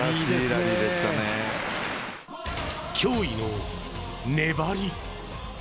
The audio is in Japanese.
驚異の粘り。